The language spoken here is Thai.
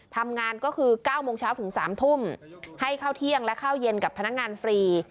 ทำงานก็คือ๙โมงเช้าถึง๓ทุ่มให้เข้าเที่ยงและข้าวเย็นกับพนักงานฟรี